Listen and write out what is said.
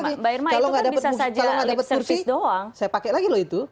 kalau nggak dapat kursi saya pakai lagi loh itu